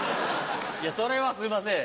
それはすいません